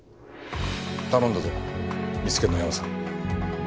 頼んだぞ見つけのヤマさん。